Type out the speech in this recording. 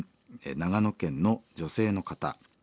長野県の女性の方。